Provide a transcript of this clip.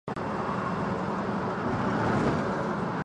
不包括部分已成为全国重点文物保护单位的文物。